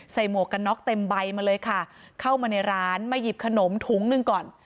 หมวกกันน็อกเต็มใบมาเลยค่ะเข้ามาในร้านมาหยิบขนมถุงหนึ่งก่อน